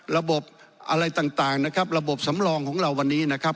ระบบอะไรต่างนะครับระบบสำรองของเราวันนี้นะครับ